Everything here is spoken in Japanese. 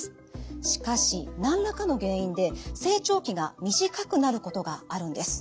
しかし何らかの原因で成長期が短くなることがあるんです。